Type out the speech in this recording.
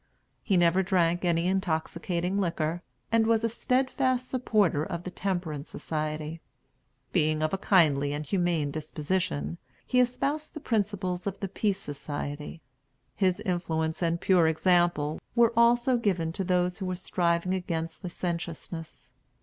He never drank any intoxicating liquor, and was a steadfast supporter of the Temperance Society. Being of a kindly and humane disposition, he espoused the principles of the Peace Society. His influence and pure example were also given to those who were striving against licentiousness.